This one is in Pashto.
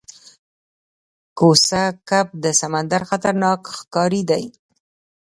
کوسه کب د سمندر خطرناک ښکاری دی